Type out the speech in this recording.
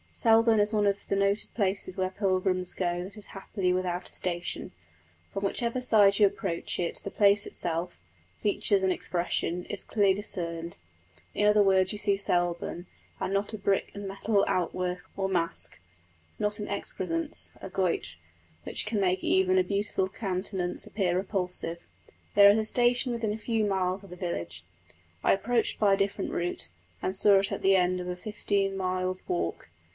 Selborne is one of the noted places where pilgrims go that is happily without a station. From whichever side you approach it the place itself, features and expression, is clearly discerned: in other words you see Selborne, and not a brick and metal outwork or mask; not an excrescence, a goitre, which can make even a beautiful countenance appear repulsive. There is a station within a few miles of the village. I approached by a different route, and saw it at the end of a fifteen miles' walk.